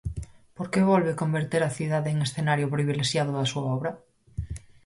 Por que volve converter a cidade en escenario privilexiado da súa obra?